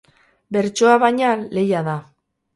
Bertsoa, baina, lehia da.